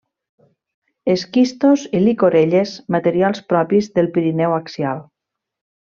Esquistos i llicorelles, materials propis del Pirineu axial.